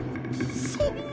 そんな。